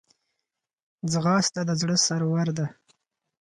ځغاسته د زړه سرور ده